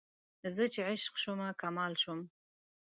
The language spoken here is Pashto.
زه چې عشق شومه کمال شوم